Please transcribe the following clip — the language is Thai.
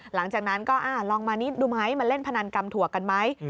หลังจากนั้นก็ลองมาดูไหมมาเล่นพนันกำถั่วกันไหม